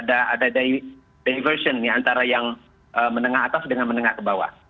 ada diversion antara yang menengah atas dengan menengah ke bawah